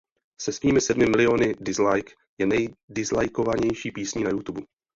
Se svými sedmi miliony dislike je nejdislikovanější písní na Youtube.